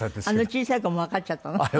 あの小さい子もわかっちゃったの？